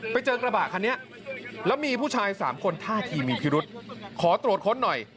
ไปเจอกระบะคันนี้แล้วมีผู้ชายสามคนท่าทีมีพิรุษขอตรวจค้นหน่อย